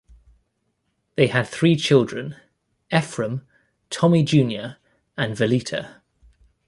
They had three children; Efrem, Tommie Junior and Veleeta.